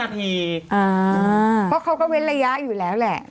เพราะเขาก็เว้นระยะอยู่แล้วแหละ